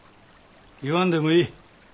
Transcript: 言わんでもいい。